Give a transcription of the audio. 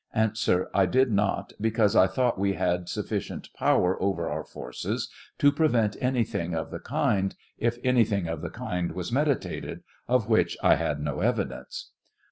A. I did not, because I thought we had sufficient power over our force to prevent anything of the kind, if anything of the kind was meditated, of which I had no evidence.